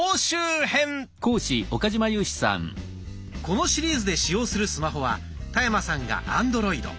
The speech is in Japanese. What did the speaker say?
このシリーズで使用するスマホは田山さんがアンドロイド。